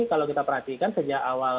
kalau kita perhatikan sejak awal